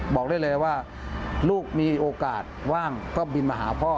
บอกได้เลยว่าลูกมีโอกาสว่างก็บินมาหาพ่อ